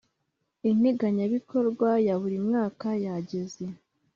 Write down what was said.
integanyabikorwa ya buri mwakayageze